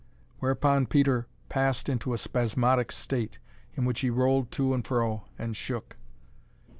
Whereupon Peter passed into a spasmodic state, in which he rolled to and fro and shook.